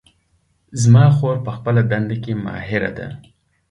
زما خور په خپله دنده کې ماهره ده